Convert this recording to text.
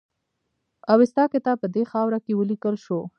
اوستا کتاب په دې خاوره کې ولیکل شو